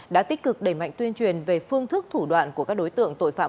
đã tích cực đẩy mạnh tuyên truyền về phương thức thủ đoạn của các đối tượng tội phạm